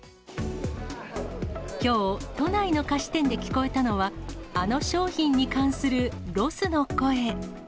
きょう、都内の菓子店で聞こえたのは、あの商品に関するロスの声。